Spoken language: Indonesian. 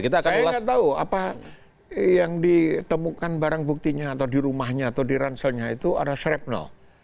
saya nggak tahu apa yang ditemukan barang buktinya atau di rumahnya atau di ranselnya itu ada srepnol